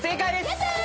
やったー！